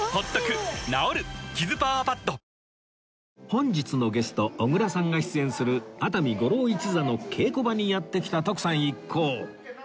本日のゲスト小倉さんが出演する熱海五郎一座の稽古場にやって来た徳さん一行